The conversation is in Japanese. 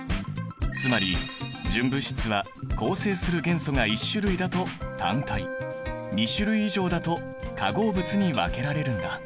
つまり純物質は構成する元素が１種類だと単体２種類以上だと化合物に分けられるんだ。